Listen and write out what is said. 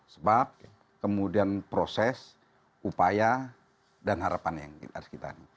sebab kemudian proses upaya dan harapan yang harus kita